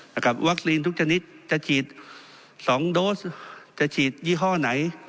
นะครับวัคซีนทุกชนิดจะฉีดสองโดสจะฉีดยี่ห้อไหน